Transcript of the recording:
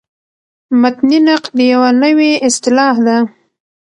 متني نقد یوه نوې اصطلاح ده.